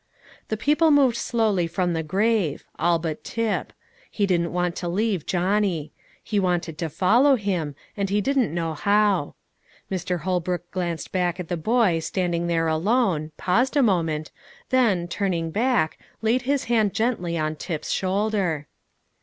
The people moved slowly from the grave, all but Tip; he didn't want to leave Johnny; he wanted to follow him, and he didn't know how. Mr. Holbrook glanced back at the boy standing there alone, paused a moment, then, turning back, laid his hand gently on Tip's shoulder.